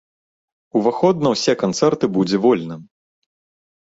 Уваход на ўсе канцэрты будзе вольным.